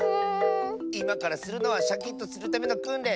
いまからするのはシャキッとするためのくんれん。